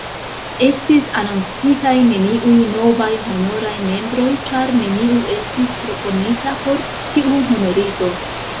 Estis anoncitaj neniuj novaj honoraj membroj, ĉar neniu estis proponita por tiu honorigo.